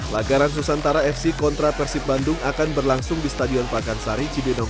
lagaran susantara fc kontra persib bandung akan berlangsung di stadion pakansari cibinong